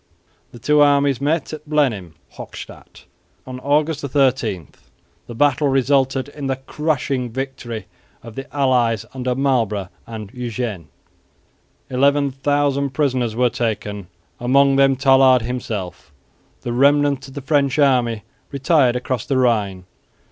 The two armies met at Blenheim (Hochstädt) on August 13. The battle resulted in the crushing victory of the allies under Marlborough and Eugene. Eleven thousand prisoners were taken, among them Tallard himself. The remnant of the French army retired across the Rhine.